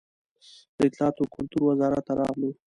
د اطلاعات و کلتور وزارت ته راغلو.